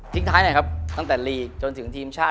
สิ็งท้ายครับตั้งแต่ลีกจนถึงทีมชาติ